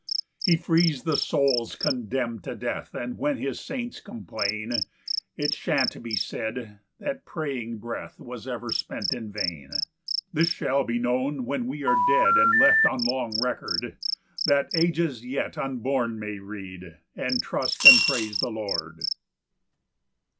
5 He frees the souls condemn'd to death, And when his saints complain, It shan't be said 'That praying breath 'Was ever spent in vain.' 6 This shall be known when we are dead, And left on long record, That ages yet unborn may read, And trust, and praise the Lord.